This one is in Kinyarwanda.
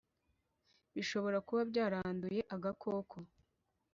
bishobora kuba byaranduye agakoko